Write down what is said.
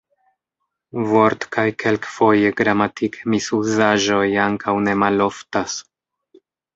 Vort- kaj kelkfoje gramatik-misuzaĵoj ankaŭ ne maloftas.